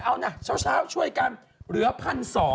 เอานะเช้าช่วยกันเหลือ๑๒๐๐